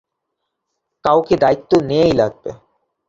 কাউকে দায়িত্ব নেয়াই লাগবে।